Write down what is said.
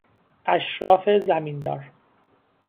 اشراف زمیندار